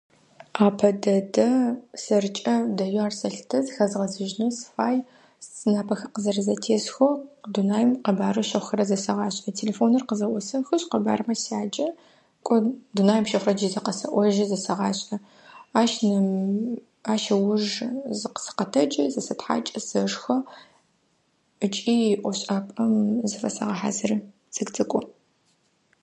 Апэ дэдэ сэркӏэ дэеу ар сэлъытэ, зыхэзгъэзыжьынэу сыфай. Сынапэхэр къызэрэзэтесхэу Дунаим къэбарэу щыхъухэрэр зэсэгъашӏэ. Телефоныр къызэӏосэхышъ къэбармэ сяджэ. Кӏо Дунаим щыхъурэр джыри зэ къэсэӏожьы зэсэгъашӏэ. Ащ нэм ащ ыуж зыкъ сыкъэтэджы, зэсэтхьакӏы, сэшхэ ыкӏи ӏофшӏапӏэм зыфэсэгъэхьазыры цӏыкӏ-цӏыкӏоу.